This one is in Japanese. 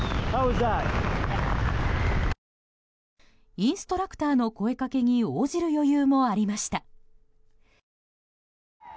インストラクターの声掛けに応じる余裕もありました。